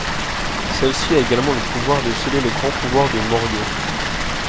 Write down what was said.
Celle-ci a également le pouvoir de sceller le grand pouvoir de Mōryō.